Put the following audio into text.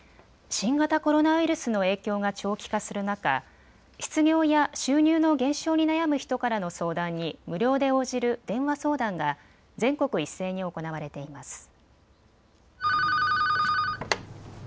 新型コロナウイルスの影響が長期化する中、失業や収入の減少に悩む人からの相談に無料で応じる電話相談が全国一斉に行われています。